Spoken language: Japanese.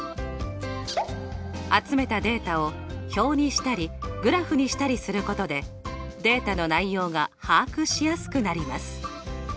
集めたデータを表にしたりグラフにしたりすることでデータの内容が把握しやすくなります。